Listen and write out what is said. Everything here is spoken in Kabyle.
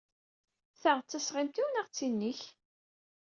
Ta d tasɣimt-iw neɣ d tin-ik?